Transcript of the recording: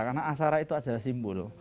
karena aksara itu adalah simbol